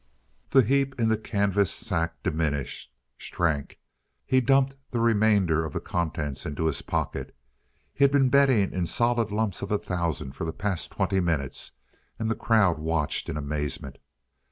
The heap in the canvas sack diminished, shrank he dumped the remainder of the contents into his pocket. He had been betting in solid lumps of a thousand for the past twenty minutes, and the crowd watched in amazement.